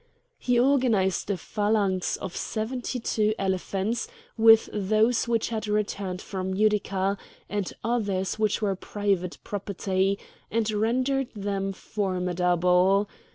He organised a phalanx of seventy two elephants with those which had returned from Utica, and others which were private property, and rendered them formidable.